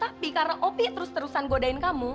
tapi karena opi terus terusan godain kamu